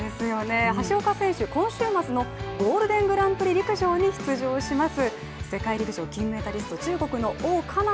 橋岡選手、今週末のゴールデングランプリ陸上に出場します。